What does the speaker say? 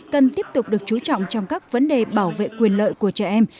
cần tiếp tục được chú trọng trong các vấn đề bảo vệ quyền lợi của trẻ em